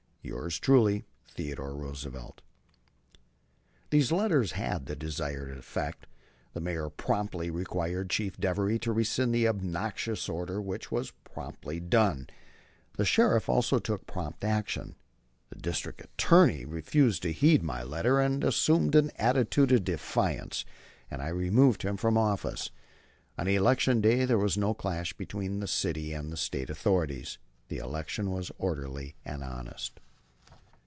Yours truly, THEODORE ROOSEVELT. These letters had the desired effect. The Mayor promptly required Chief Devery to rescind the obnoxious order, which was as promptly done. The Sheriff also took prompt action. The District Attorney refused to heed my letter, and assumed an attitude of defiance, and I removed him from office. On election day there was no clash between the city and State authorities; the election was orderly and honest.